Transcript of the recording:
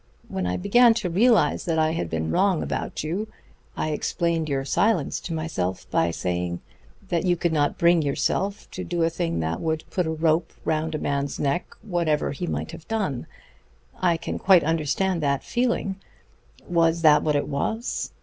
When I began to realize that I had been wrong about you, I explained your silence to myself by saying that you could not bring yourself to do a thing that would put a rope round a man's neck, whatever he might have done. I can quite understand that feeling. Was that what it was?